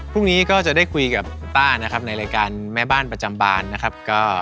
พรุ่งนี้ก็จะได้คุยกับป้านะครับในรายการแม่บ้านประจำบานนะครับ